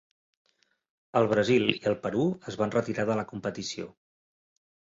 El Brasil i el Perú es van retirar de la competició.